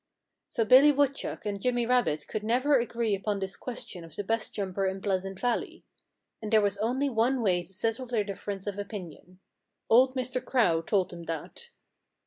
So Billy Woodchuck and Jimmy Rabbit could never agree upon this question of the best jumper in Pleasant Valley. And there was only one way to settle their difference of opinion. Old Mr. Crow told them that.